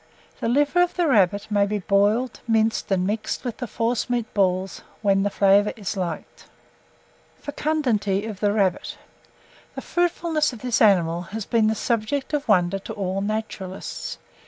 The liver of the rabbit may be boiled, minced, and mixed with the forcemeat balls, when the flavour is liked. FECUNDITY OF THE RABBIT. The fruitfulness of this animal has been the subject of wonder to all naturalists.